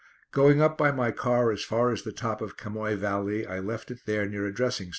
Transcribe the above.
Going up by my car as far as the top of Camoy Valley, I left it there near a dressing station.